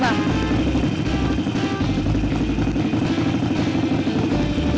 kamu dong nuestros tradisetter ya